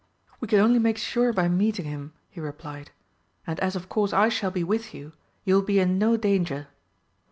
"We can only make sure by meeting him," he replied, "and as of course I shall be with you, you will be in no danger."